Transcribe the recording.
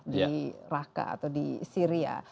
di raqqa atau di syria